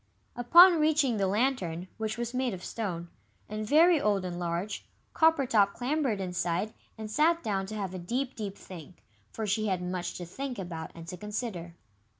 Upon reaching the Lantern, which was made of stone, and very old and large, Coppertop clambered inside, and sat down to have a deep, deep think, for she had much to think about and to consider.